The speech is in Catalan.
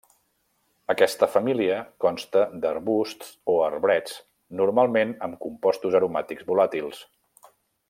Aquesta família consta d'arbusts o arbrets normalment amb compostos aromàtics volàtils.